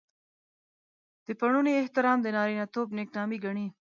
د پړوني احترام د نارينه توب نېکنامي ګڼي.